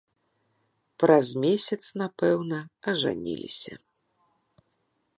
Праз месяц, напэўна, ажаніліся.